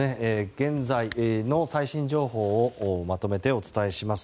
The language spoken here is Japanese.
現在の最新情報をまとめてお伝えします。